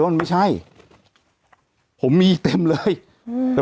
แต่หนูจะเอากับน้องเขามาแต่ว่า